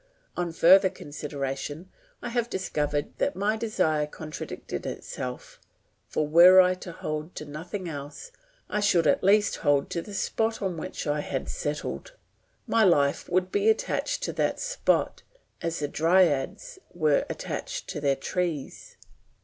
On further consideration I have discovered that my desire contradicted itself; for were I to hold to nothing else, I should at least hold to the spot on which I had settled; my life would be attached to that spot, as the dryads were attached to their trees.